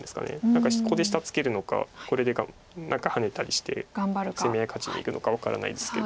何かここで下ツケるのかこれで何かハネたりして攻め合い勝ちにいくのか分からないですけど。